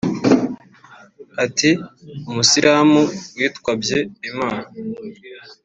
Ati “Umusilamu witwabye Imana